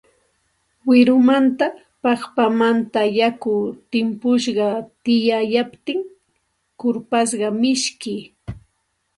Wirumanta, paqpamanta yakun timpusqa tikayaptin kurpasqa miski